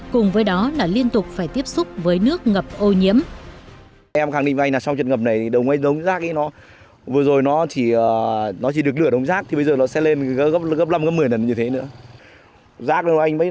cùng với đó là liên tục phải tiếp xúc với nước ngập ô nhiễm